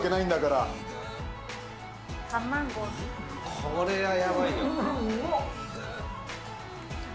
これはやばいよ。